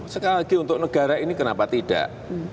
sekali lagi untuk negara ini kenapa tidak